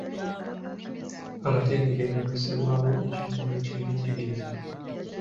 Amatendekero gassibwawo ekitongole ky’ebyenjigiriza.